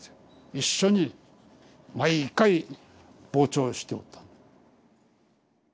一緒に毎回傍聴しておったんだ。